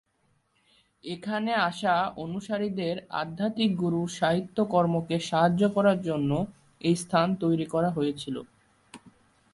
এখানে আসা অনুসারীদের আধ্যাত্মিক গুরুর সাহিত্য কর্মকে সাহায্য করার জন্য এই স্থান তৈরি করা হয়েছিল।